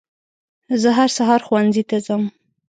زه هر سهار ښوونځي ته ځم.